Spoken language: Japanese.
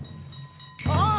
ああ！